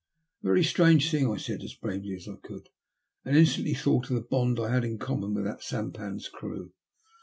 "A very strange thing," I said, as bravely as I could, and instantly thought of the bond I had in common with that sampan's crew.